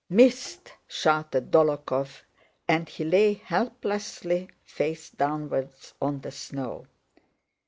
"Missed!" shouted Dólokhov, and he lay helplessly, face downwards on the snow.